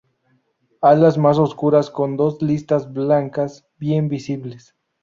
Alas más oscuras con dos listas blancas bien visibles.